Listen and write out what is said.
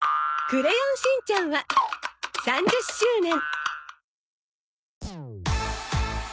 『クレヨンしんちゃん』は３０周年。